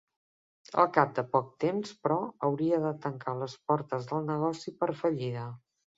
Al cap de poc temps, però, hauria de tancar les portes del negoci per fallida.